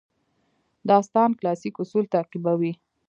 داستان کلاسیک اصول تعقیبوي.